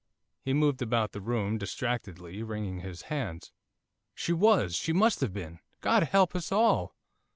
He moved about the room distractedly, wringing his hands. 'She was! she must have been! God help us all!